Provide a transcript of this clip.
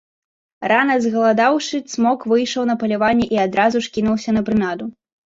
Рана згаладаўшы, цмок выйшаў на паляванне і адразу ж кінуўся на прынаду.